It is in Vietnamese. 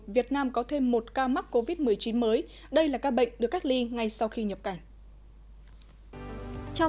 việt nam có thêm một ca mắc covid một mươi chín mới đây là ca bệnh được cách ly ngay sau khi nhập cảnh